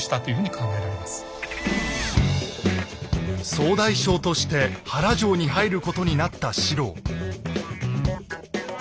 総大将として原城に入ることになった四郎。